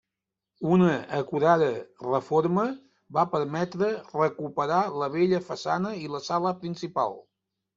Una acurada reforma va permetre recuperar la bella façana i la sala principal.